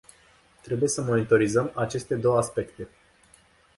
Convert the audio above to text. Trebuie să monitorizăm aceste două aspecte.